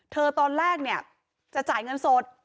เธอตอนแรกจะจ่ายเงินสด